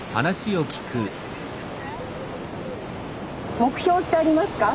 目標ってありますか？